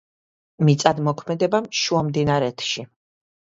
მიწადმოქმედება შუამდინარეთში